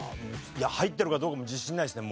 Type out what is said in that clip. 入ってるかどうかも自信ないですね